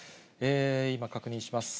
今、確認します。